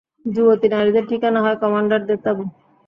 যুবতী নারীদের ঠিকানা হয় কমান্ডারদের তাঁবু।